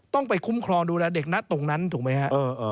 ต้องไปคุ้มครองดูแลเด็กนะตรงนั้นถูกไหมฮะ